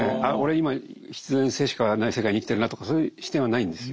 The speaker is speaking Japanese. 今必然性しかない世界に生きてるなとかそういう視点はないんですよ。